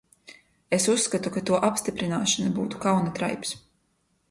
Es uzskatu, ka to apstiprināšana būtu kauna traips.